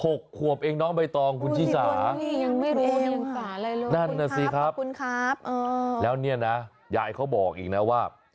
หกขวบเองน้องใบตองคุณชีสานั่นสิครับแล้วเนี่ยนะยายเขาบอกอีกนะว่า